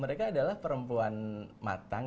mereka adalah perempuan matang